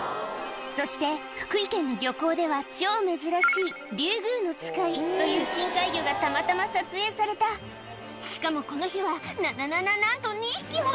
そして福井県の漁港では超珍しいリュウグウノツカイという深海魚がたまたま撮影されたしかもこの日はなななななんと２匹も！